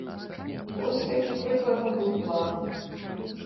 Вось такі прыкладна быў план.